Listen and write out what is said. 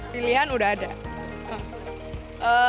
pilihan sudah ada